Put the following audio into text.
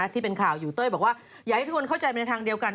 ที่เป็นข่าวอยู่เต้ยบอกว่าอยากให้ทุกคนเข้าใจไปในทางเดียวกัน